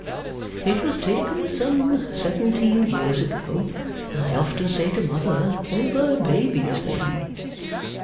It was taken some seventeen years ago. As I often say to Mother, they were babies then.